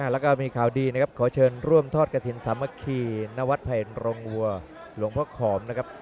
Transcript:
แล้วก็มีข่าวดีนะครับขอเชิญร่วมทอดกระถิ่นสามัคคีณวัดไพรโรงวัวหลวงพ่อขอมนะครับ